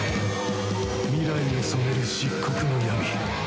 未来を染める漆黒の闇。